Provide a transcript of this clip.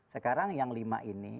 sekarang yang lima ini